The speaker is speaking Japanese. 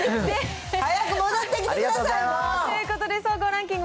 早く戻ってきてください、もう。ということで、総合ランキング